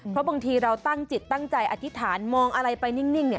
เพราะบางทีเราตั้งจิตตั้งใจอธิษฐานมองอะไรไปนิ่งเนี่ย